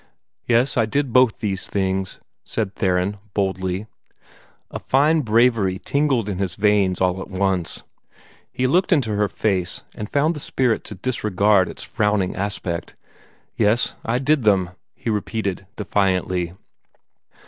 "Yes, I did both these things," said Theron, boldly. A fine bravery tingled in his veins all at once. He looked into her face and found the spirit to disregard its frowning aspect. "Yes, I did them," he repeated defiantly.